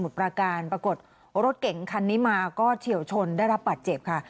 ประการปรากฏรถเก่งคันนี้มาก็เฉียวชนได้รับบาดเจ็บค่ะ